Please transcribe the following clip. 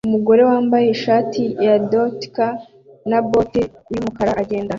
Umugore wambaye ishati ya dotka na bote yumukara agenda